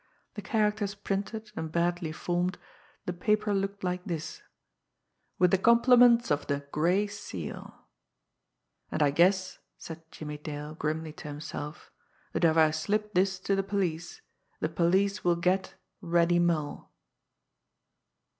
The characters printed, and badly formed, the paper looked like this: WITH THE COMPLIMENTS OF THE /\/\/\/\\/\/\/\/ "And I guess," said Jimmie Dale grimly to himself, "that if I slip this to the police, the police will get Reddy Mull."